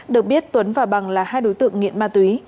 được biết tuấn và bằng là hai đối tượng nghiện ma túy